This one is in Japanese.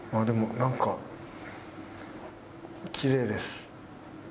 でもなんかきれいです。